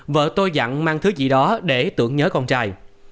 vợ tôi dặn mang thứ gì đó để tưởng nhớ con trai